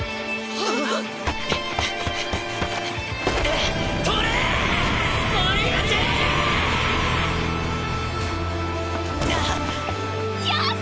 あっ！